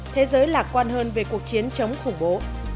thế giới lạc quan hơn về cuộc chiến chống khủng bố